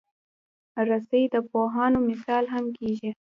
رسۍ د پوهانو مثال هم کېږي.